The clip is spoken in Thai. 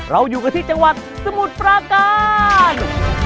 อยู่กันที่จังหวัดสมุทรปราการ